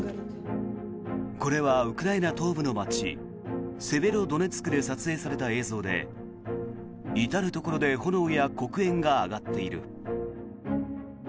これはウクライナ東部の街セベロドネツクで撮影された映像で至るところで炎や黒煙が上がっている。